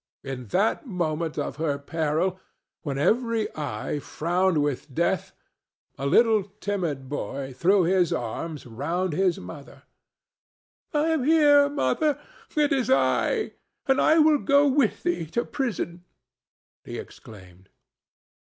In that moment of her peril, when every eye frowned with death, a little timid boy threw his arms round his mother. "I am here, mother; it is I, and I will go with thee to prison," he exclaimed.